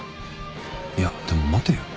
いやでも待てよ